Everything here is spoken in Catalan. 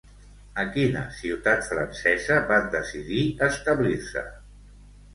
A quina ciutat francesa van decidir establir-se?